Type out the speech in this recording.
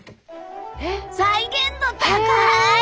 えっ？再現度高い！